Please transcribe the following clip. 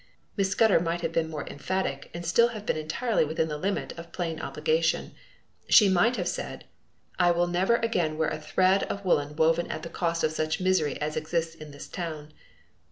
Miss Scudder might have been more emphatic and still have been entirely within the limit of plain obligation; she might have said, "I will never again wear a thread of woolen woven at the cost of such misery as exists in this town."